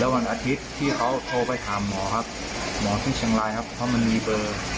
วันอาทิตย์ที่เขาโทรไปถามหมอครับหมอที่เชียงรายครับเพราะมันมีเบอร์